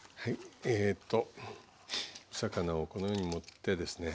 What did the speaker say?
魚をこのように盛ってですね。